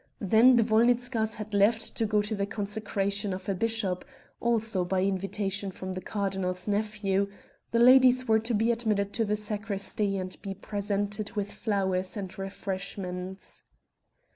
Then the Wolnitzkas had left to go to the consecration of a bishop also by invitation from the cardinal's nephew the ladies were to be admitted to the sacristy and be presented with flowers and refreshments.